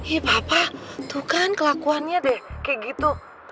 eh papa tuh kan kelakuannya deh kayak gitu